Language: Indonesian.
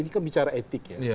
ini kan bicara etik ya